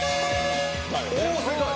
お正解。